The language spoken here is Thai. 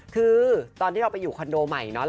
คือตอนที่เราไปอยู่คอนโดใหม่เนาะ